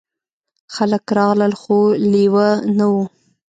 خلک راغلل خو لیوه نه و.